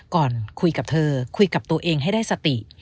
ก่อนคุยกับเธอคุยกับตัวเองให้ได้สติ